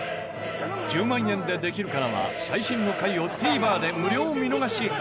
『１０万円でできるかな』は最新の回をＴＶｅｒで無料見逃し配信。